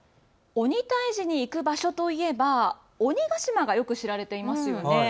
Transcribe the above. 鬼退治に行く場所といえば鬼ヶ島がよく知られていますよね。